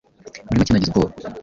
Muri make nagize ubwoba